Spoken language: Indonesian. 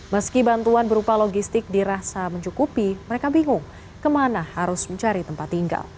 meski bantuan berupa logistik dirasa mencukupi mereka bingung kemana harus mencari tempat tinggal